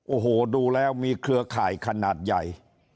โอ้โหดูแล้วมีเครือข่ายขนาดใหญ่